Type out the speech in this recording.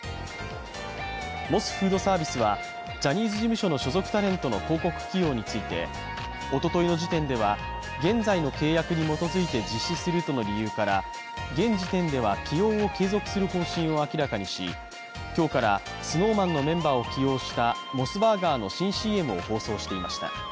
モスフードサービスはジャニーズ事務所の所属タレントの広告起用についておとといの時点では現在の契約に基づいて実施するとの理由から、現時点では起用を継続する方針を明らかにし、今日からＳｎｏｗＭａｎのメンバーを起用したモスバーガーの新ＣＭを放送していました。